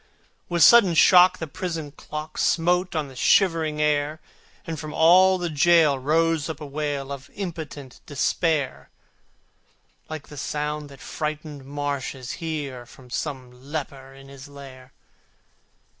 With sudden shock the prison clock Smote on the shivering air, And from all the gaol rose up a wail Of impotent despair, Like the sound the frightened marshes hear From some leper in his lair.